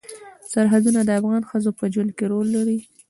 سرحدونه د افغان ښځو په ژوند کې رول لري.